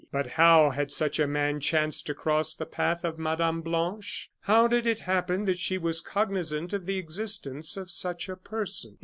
But how had such a man chanced to cross the path of Mme. Blanche? How did it happen that she was cognizant of the existence of such a person?